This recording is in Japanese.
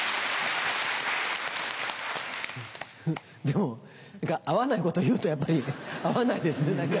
でも合わないこと言うとやっぱり合わないですね何か。